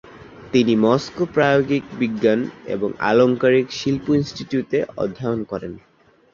তিনি মস্কো প্রায়োগিক বিজ্ঞান এবং আলংকারিক শিল্প ইন্সটিটিউট -এ অধ্যায়ন করেন।